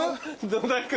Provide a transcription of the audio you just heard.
野田君。